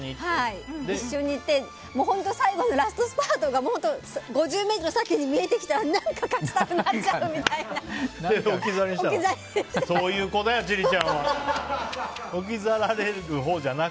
一緒に行って最後のラストスパートが５０ｍ先に見えてきたら何か勝ちたくなっちゃう！みたいな。